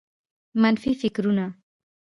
منفي فکرونه